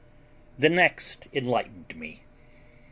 The next enlightened me.